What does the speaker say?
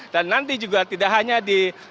dan nanti juga tidak hanya di